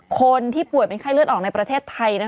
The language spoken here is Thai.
คนที่ป่วยเป็นไข้เลือดออกในประเทศไทย